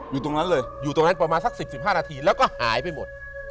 อยู่ตรงนั้นเลยอยู่ตรงนั้นประมาณสัก๑๐๑๕นาทีแล้วก็หายไปหมด